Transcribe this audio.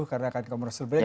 karena akan ke komersul break